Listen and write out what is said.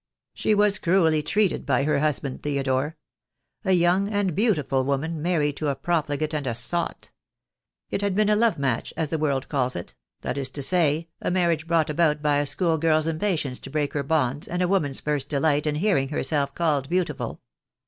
"She was cruelly treated by her husband, Theodore. A young and beautiful woman, married to a profligate and a sot. It had been a love match, as the world calls it — that is to say, a marriage brought about by a school girl's impatience to break her bonds, and a woman's first delight in hearing herself called beautiful.